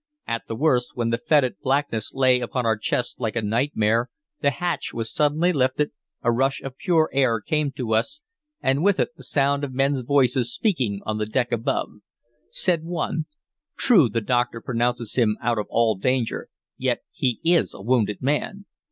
At the worst, when the fetid blackness lay upon our chests like a nightmare, the hatch was suddenly lifted, a rush of pure air came to us, and with it the sound of men's voices speaking on the deck above. Said one, "True the doctor pronounces him out of all danger, yet he is a wounded man."